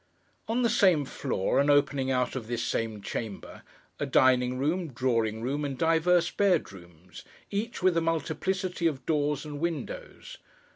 On the same floor, and opening out of this same chamber, are dining room, drawing room, and divers bedrooms: each with a multiplicity of doors and windows.